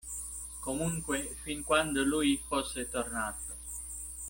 Comunque, fin quando lui fosse tornato.